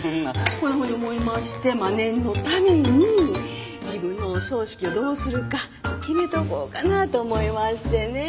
こんなふうに思いまして念のために自分のお葬式をどうするか決めとこうかなと思いましてね。